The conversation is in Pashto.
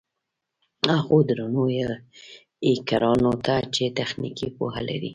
هغو درنو هېکرانو ته چې تخنيکي پوهه لري.